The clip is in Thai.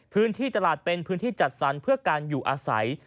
พื้นที่ตลาดเป็นพื้นที่จัดสรรเพื่อการอยู่อาศัย